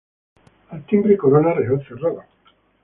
Al timbre corona real cerrada.